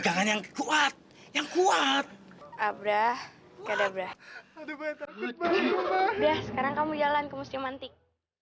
yang kuat kuat abra kode brah sekarang kamu jalan ke musti mantik